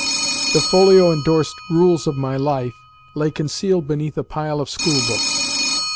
The folio endorsed "Rules of My Life" lay concealed beneath a pile of school books.